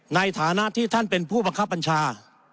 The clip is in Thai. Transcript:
ในฐานะที่ท่านเป็นผู้บังคับบัญชา